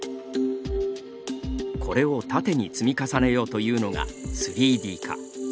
これを縦に積み重ねようというのが３Ｄ化。